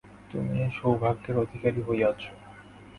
তুমি এই সৌভাগ্যের অধিকারী হইয়াছ।